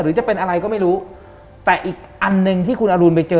หรือจะเป็นอะไรก็ไม่รู้แต่อีกอันหนึ่งที่คุณอรุณไปเจอ